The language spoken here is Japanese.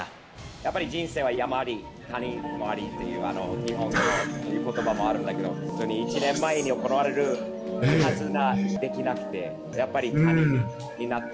やっぱり人生は山あり谷もありっていう、日本のことばもあるんだけど、本当に１年前に行われるはずができなくて、やっぱり延期になった。